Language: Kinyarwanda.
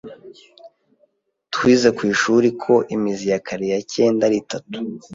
Twize kwishuri ko imizi ya kare ya cyenda ari itatu.